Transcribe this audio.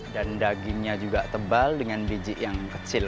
dan dagingnya juga tebal dengan biji yang kecil